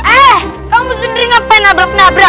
eh kamu sendiri ngapain nabrak nabrak